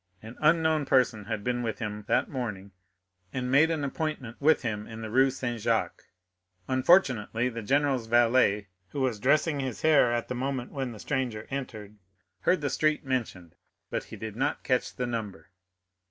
An unknown person had been with him that morning, and made an appointment with him in the Rue Saint Jacques; unfortunately, the general's valet, who was dressing his hair at the moment when the stranger entered, heard the street mentioned, but did not catch the number."